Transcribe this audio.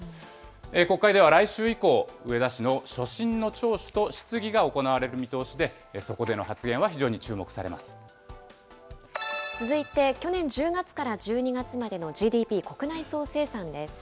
国会では来週以降、植田氏の所信の聴取と質疑が行われる見通しで、そこでの発言は非常に注目されま続いて、去年１０月から１２月までのＧＤＰ・国内総生産です。